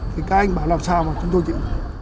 thì các anh bảo làm sao mà chúng tôi tiện